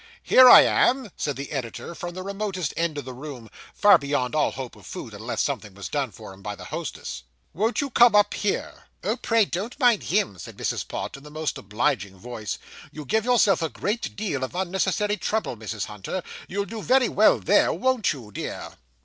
'Here I am,' said the editor, from the remotest end of the room; far beyond all hope of food, unless something was done for him by the hostess. 'Won't you come up here?' 'Oh, pray don't mind him,' said Mrs. Pott, in the most obliging voice 'you give yourself a great deal of unnecessary trouble, Mrs. Hunter. You'll do very well there, won't you dear?